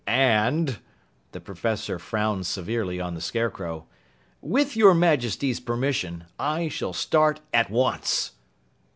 "And," the Professor frowned severely on the Scarecrow, "with your Majesty's permission, I shall start at once!"